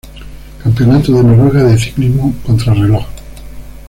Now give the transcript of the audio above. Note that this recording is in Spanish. Campeonato de Noruega de Ciclismo Contrarreloj